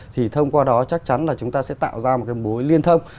thì thông qua đó chắc chắn là chúng ta sẽ tạo ra một cái mối liên thông